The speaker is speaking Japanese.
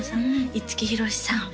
五木ひろしさん